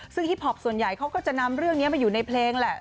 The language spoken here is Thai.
ซึ่งฮิปพอปส่วนใหญ่เขาก็จะนำเรื่องนี้มาอยู่ในเพลงแหละ